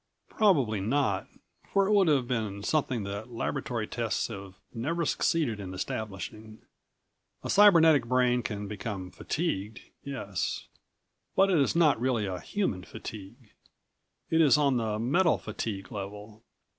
Probably not ... for it would have been something that laboratory tests have never succeeded in establishing. A cybernetic brain can become fatigued, yes but it is not really a human fatigue. It is on the metal fatigue level.